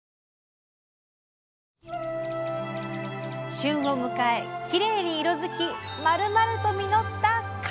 旬を迎えきれいに色づきまるまると実った柿！